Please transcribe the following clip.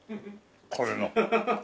これの。